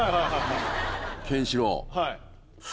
ケンシロウ。